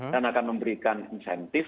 dan akan memberikan insentif